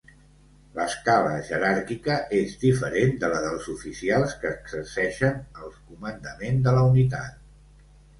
L'escala jeràrquica és diferent de la dels oficials que exerceixen el comandament de la unitat.